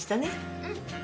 うん。